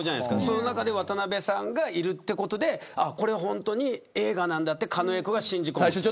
その中で渡辺さんがいるということでこれは本当に映画なんだって狩野英孝が信じ込む。